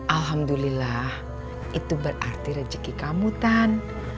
alhamdulillah itu berarti rezeki kamu kan